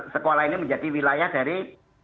sekolah ini menjadi wilayah dari